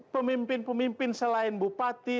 pemimpin pemimpin selain bupati